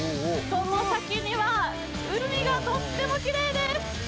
その先には海がとってもきれいです。